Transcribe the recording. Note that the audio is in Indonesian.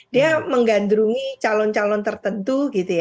dia menggandrungi calon calon tertentu